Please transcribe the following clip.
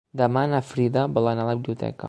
Demà na Frida vol anar a la biblioteca.